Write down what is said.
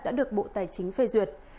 đã được bộ tài chính phê duyệt